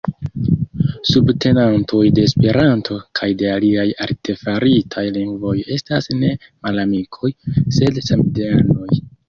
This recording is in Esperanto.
Subtenantoj de Esperanto kaj de aliaj artefaritaj lingvoj estas ne malamikoj, sed samideanoj.